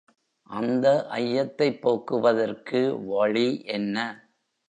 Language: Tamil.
அந்த ஐயத்தைப் போக்குவதற்கு வழி என்ன?